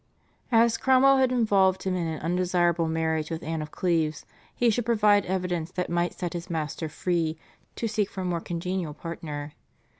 As Cromwell had involved him in an undesirable marriage with Anne of Cleves, he should provide evidence that might set his master free to seek for a more congenial partner.